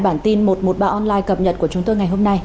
bản tin một trăm một mươi ba online cập nhật của chúng tôi ngày hôm nay